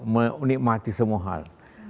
menikmati semua hal